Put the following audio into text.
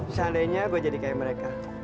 seandainya gue jadi kayak mereka